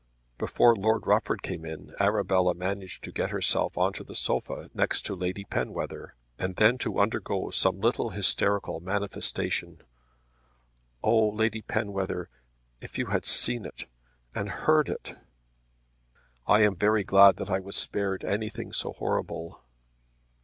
Before Lord Rufford came in Arabella managed to get herself on to the sofa next to Lady Penwether, and then to undergo some little hysterical manifestation, "Oh Lady Penwether; if you had seen it; and heard it!" "I am very glad that I was spared anything so horrible."